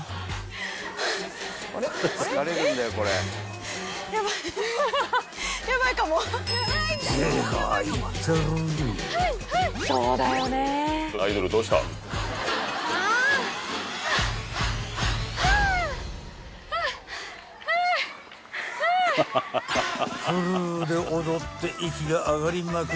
［フルで踊って息が上がりまくりな２人］